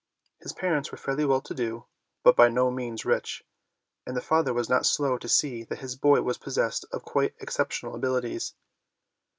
His parents were fairly well to do but by no means rich, and the father was not slow to see that his boy was possessed of quite exceptional abilities.